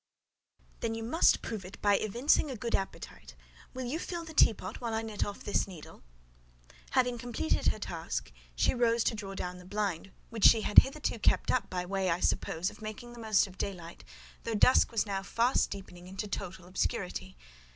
"Then you must prove it by evincing a good appetite; will you fill the teapot while I knit off this needle?" Having completed her task, she rose to draw down the blind, which she had hitherto kept up, by way, I suppose, of making the most of daylight, though dusk was now fast deepening into total obscurity.